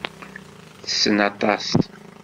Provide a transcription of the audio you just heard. Tessen aṭas.